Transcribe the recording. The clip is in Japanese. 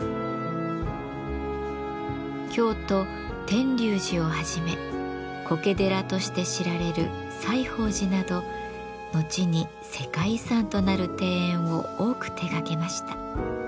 京都・天龍寺をはじめ「苔寺」として知られる西芳寺など後に世界遺産となる庭園を多く手がけました。